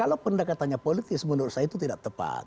kalau pendekatannya politis menurut saya itu tidak tepat